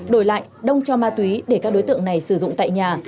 đổi lại đông cho ma túy để các đối tượng này sử dụng tại nhà